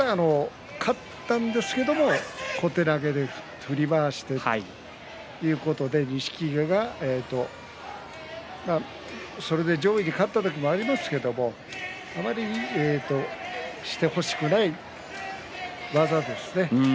勝ったんですけれども小手投げで振り回したいということでそれで上位に勝ったこともありますけれどもあまりしてほしくない技ですね。